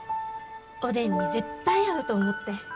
おでんに絶対合うと思って。